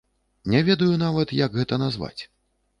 Не ведаю нават, як гэта назваць.